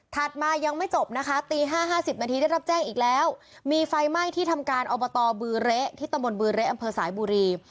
มายังไม่จบนะคะตี๕๕๐นาทีได้รับแจ้งอีกแล้วมีไฟไหม้ที่ทำการอบตบือเละที่ตำบลบือเละอำเภอสายบุรี